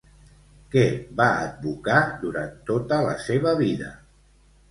Què va advocar durant tota la seva vida?